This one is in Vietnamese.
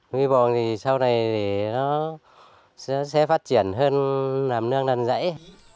nguyên vọng thì sau này nó sẽ phát triển hơn làm nương năn dãy